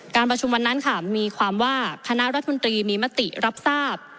ประชุมวันนั้นค่ะมีความว่าคณะรัฐมนตรีมีมติรับทราบ